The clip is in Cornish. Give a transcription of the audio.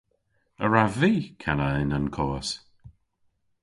A wrav vy kana y'n kowas?